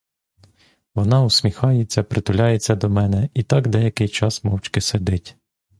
Вона усміхається, притуляється до мене і так деякий час мовчки сидить.